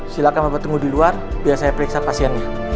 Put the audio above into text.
silakan bapak tunggu di luar biar saya periksa pasiennya